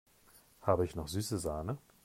Habe ich noch süße Sahne?